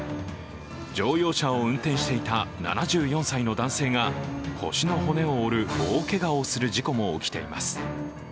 乗用車を運転していた７４歳の男性が腰の骨を折る大けがをする事故も起きています。